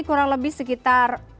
ini kurang lebih sekitar